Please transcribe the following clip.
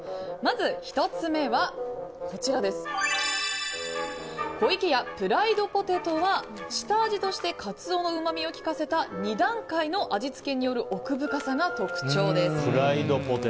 まず１つ目は湖池屋プライドポテトは下味としてカツオのうまみをきかせた２段階の味付けによる奥深さが特徴です。